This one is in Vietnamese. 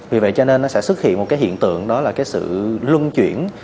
vì vậy cho nên nó sẽ xuất hiện một cái hiện tượng đó là cái sự lung chuyển